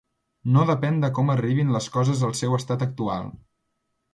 No depèn de com arribin les coses al seu estat actual.